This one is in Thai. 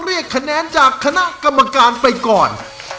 เรียกคะแนนจากคณะกรรมการไปก่อน